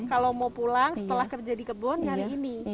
kalau mau pulang setelah kerja di kebun nyari ini